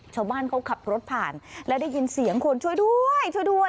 ชาวบ้านเขากลับรถผ่านแล้วได้ยินเสียงคนช่วยด้วย